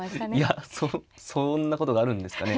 いやそんなことがあるんですかね。